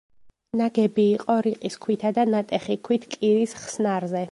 ნაგები იყო რიყის ქვითა და ნატეხი ქვით კირის ხსნარზე.